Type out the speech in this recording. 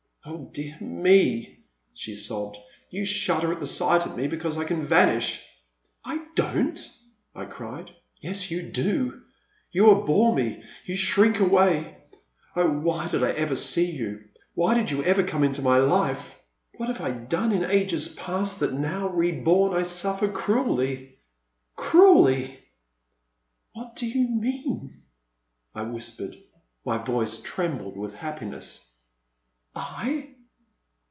Oh dear me !" she sobbed. You shudder at the sight of me because I can vanish." •'I don't!" I cried. Yes you do! You abhor me, — you shrink away ! Oh why did I ever see you, — why did you ever come into my life, — what have I done in ages past, that now, reborn, I suffer cruelly — cruelly !" What do you mean!" I whispered. My voice trembled with happiness. I?